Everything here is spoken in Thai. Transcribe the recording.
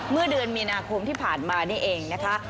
เมื่อเดือนมีนาคมที่ผ่านมานี่เองนะคะ